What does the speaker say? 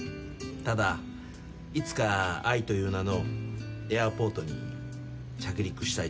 ただいつか愛という名のエアポートに着陸したいと思ってる。